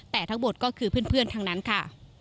แต่ทั้งหมดก็คือเพื่อนทั้งนั้นค่ะ